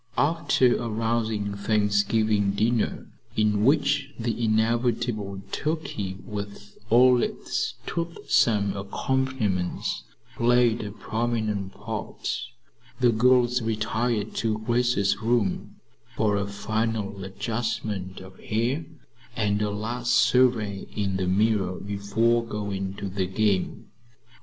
After a rousing Thanksgiving dinner, in which the inevitable turkey, with all its toothsome accompaniments, played a prominent part, the girls retired to Grace's room for a final adjustment of hair and a last survey in the mirror before going to the game.